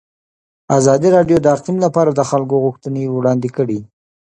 ازادي راډیو د اقلیم لپاره د خلکو غوښتنې وړاندې کړي.